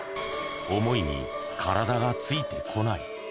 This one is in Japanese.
想いに体がついてこない。